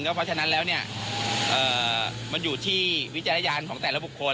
เพราะฉะนั้นแล้วมันอยู่ที่วิจารณญาณของแต่ละบุคคล